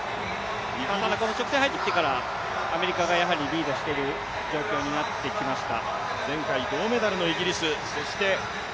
この直線に入ってからアメリカがやはりリードしている状況になってきました。